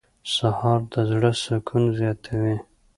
سهار د زړه سکون زیاتوي.